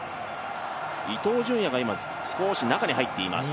伊東純也が少し中に入っています。